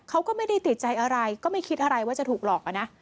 เขาก็ไม่ได้ติดใจอะไรก็ไม่คิดอะไรว่าจะถูกหลอกอะนะ